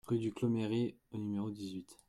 Rue du Clos Méry au numéro dix-huit